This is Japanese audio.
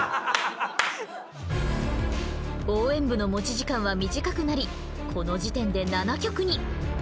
応援部の持ち時間は短くなりこの時点で７曲に。